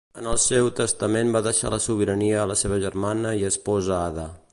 En el seu testament va deixar la sobirania a la seva germana i esposa Ada.